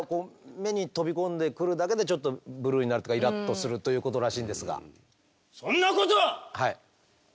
目に飛び込んでくるだけでちょっとブルーになるとかイラッとするということらしいんですが。